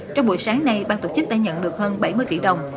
trong buổi sáng nay ban tổ chức đã nhận được hơn bảy mươi tỷ đồng